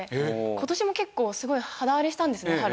今年も結構すごい肌荒れしたんですね春。